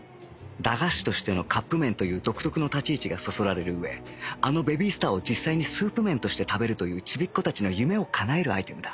駄菓子としてのカップ麺という独特の立ち位置がそそられる上あのベビースターを実際にスープ麺として食べるというちびっ子たちの夢をかなえるアイテムだ